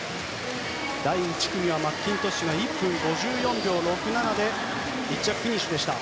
第１組はマッキントッシュが１分５４秒６７で１着フィニッシュでした。